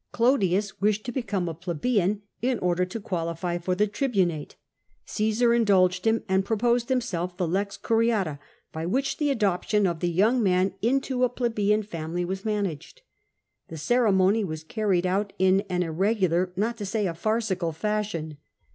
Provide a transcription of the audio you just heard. Clodius wished to become a plebeian, in order to qualify for the tribunate. Csesar indulged him, and proposed himself the lex mriata by which the adoption of the young man into a plebeian family was managed. The ceremony was carried out in an irregular, not to say a farcical, fashion.